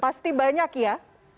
pasti banyak ya